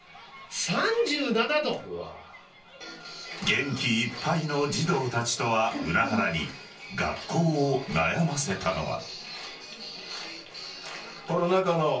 元気いっぱいの児童たちとは裏腹に学校を悩ませたのは。